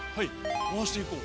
回していこう。